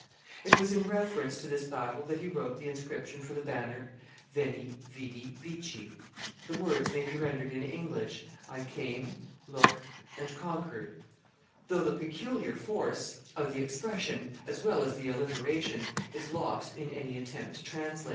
It was in reference to this battle that he wrote the inscription for the banner, "Veni, vidi, vici" The words may be rendered in English, "I came, looked, and conquered," though the peculiar force of the expression, as well as the alliteration, is lost in any attempt to translate it.